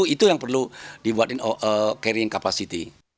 itu yang perlu dibuat carrying capacity